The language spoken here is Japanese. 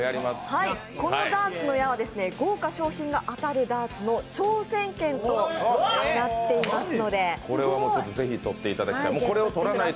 このダーツの矢は豪華賞品が当たるダーツの挑戦権となっておりますのでゲットしてください。